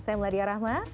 saya meladia rahma